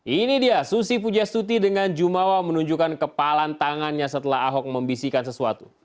ini dia susi pujastuti dengan jumawa menunjukkan kepalan tangannya setelah ahok membisikkan sesuatu